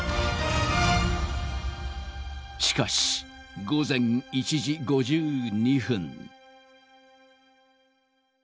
しかし午前１時５２分。